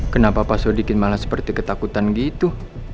kenapa paswa dikit malah seperti ketakutan gitu